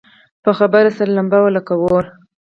په خبرو سره لمبه وه لکه اور وه